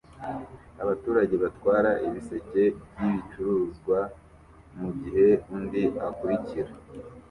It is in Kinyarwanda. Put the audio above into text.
Abaturage batwara ibiseke byibicuruzwa mugihe undi akurikira